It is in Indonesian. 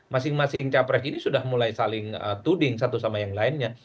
masing masing capres ini sudah mulai saling tuding satu sama yang lainnya